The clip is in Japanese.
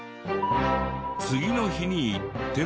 次の日に行っても。